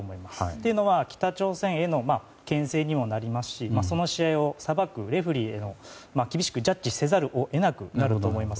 というのも北朝鮮への牽制にもなりますしその試合をさばくレフェリーが厳しくジャッジせざるを得なくなると思います。